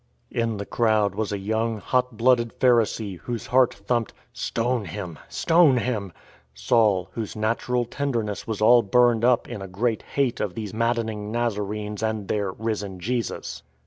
SCOURGE OF THE NAZARENES 73 In the crowd was a young, hot blooded Pharisee, whose heart thumped, " Stone him, stone him !"— Saul, whose natural tenderness was all burned up in a great hate of these maddening Nazarenes and their " risen Jesus."